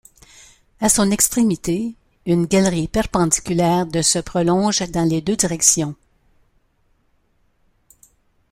À son extrémité, une galerie perpendiculaire de se prolonge dans les deux directions.